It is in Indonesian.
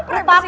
perlu sih gue